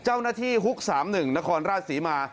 เจ้าหน้าที่ฮุกสามหนึ่งนครราชศรีมา